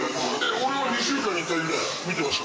俺は２週間に１回ぐらい見てました。